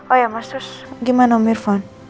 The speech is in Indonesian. oh ya mas terus gimana om mirvan